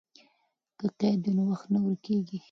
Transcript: که قید وي نو وخت نه ورکېږي.